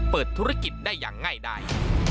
เปิดธุรกิจได้อย่างง่ายได้